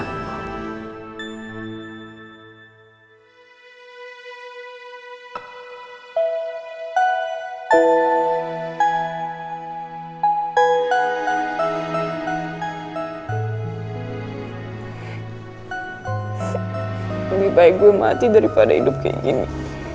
lebih baik gue mati daripada hidup kayak gini